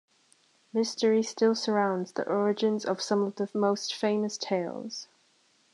Mystery still surrounds the origins of some of the most famous tales.